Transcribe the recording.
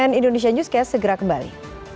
cnn indonesia newscast segera kembali